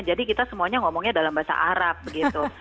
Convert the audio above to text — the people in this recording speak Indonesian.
jadi kita semuanya ngomongnya dalam bahasa arab gitu